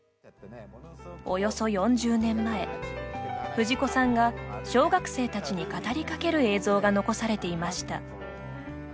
およそ４０年前、藤子さんが小学生たちに語りかける映像が残されていました。